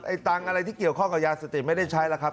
ตังค์อะไรที่เกี่ยวข้องกับยาเสพติดไม่ได้ใช้แล้วครับ